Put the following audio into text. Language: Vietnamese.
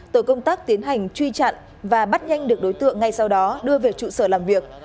tổ công tác tiến hành truy chặn và bắt nhanh được đối tượng ngay sau đó đưa về trụ sở làm việc